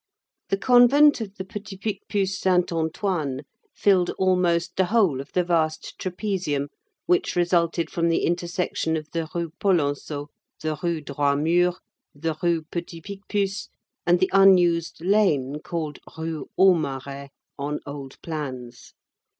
The convent of the Petit Picpus Sainte Antoine filled almost the whole of the vast trapezium which resulted from the intersection of the Rue Polonceau, the Rue Droit Mur, the Rue Petit Picpus, and the unused lane, called Rue Aumarais on old plans.